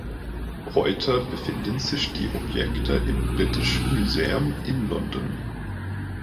Heute befinden sich die Objekte im British Museum in London.